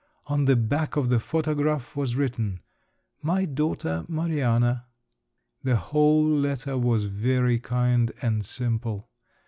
On the back of the photograph was written, "My daughter Mariana." The whole letter was very kind and simple.